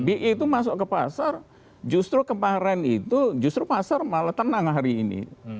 bi itu masuk ke pasar justru kemarin itu justru pasar malah tenang hari ini